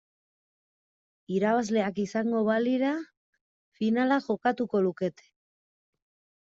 Irabazleak izango balira finala jokatuko lukete.